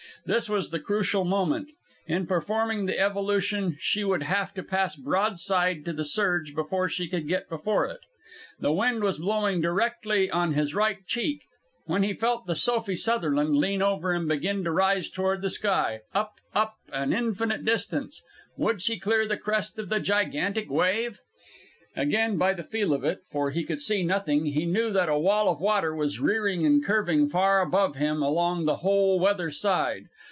This was the crucial moment. In performing the evolution she would have to pass broadside to the surge before she could get before it. The wind was blowing directly on his right cheek, when he felt the Sophie Sutherland lean over and begin to rise toward the sky up up an infinite distance! Would she clear the crest of the gigantic wave? Again by the feel of it, for he could see nothing, he knew that a wall of water was rearing and curving far above him along the whole weather side.